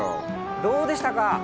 どうでしたか？